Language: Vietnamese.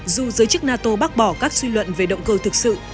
dù giới chức nato bác bỏ các suy luận về động cơ thực sự